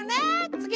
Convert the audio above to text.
つぎ！